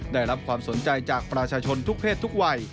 ได้รับความสนใจจากประชาชนทุกเพศทุกวัย